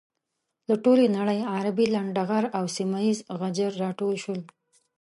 له ټولې نړۍ عربي لنډه غر او سيمه یيز غجر راټول شول.